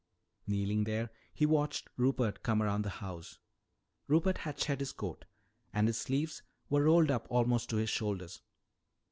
Kneeling there, he watched Rupert come around the house. Rupert had shed his coat and his sleeves were rolled up almost to his shoulders.